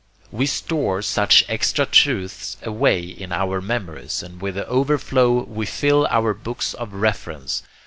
We store such extra truths away in our memories, and with the overflow we fill our books of reference.